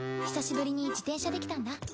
久しぶりに自転車で来たんだ。